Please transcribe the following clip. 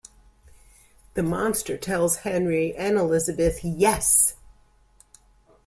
The Monster tells Henry and Elizabeth Yes!